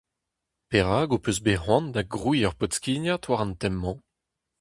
Perak ho peus bet c'hoant da grouiñ ur podskignad war an tem-mañ ?